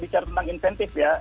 bicara tentang insentif ya